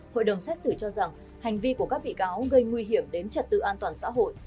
hội đồng xét xử cho rằng hành vi của các bị cáo gây nguy hiểm đến trật tự an toàn xã hội